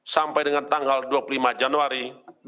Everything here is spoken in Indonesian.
sampai dengan tanggal dua puluh lima januari dua ribu dua puluh